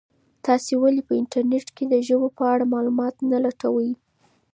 تاسي ولي په انټرنیټ کي د ژبو په اړه معلومات نه لټوئ؟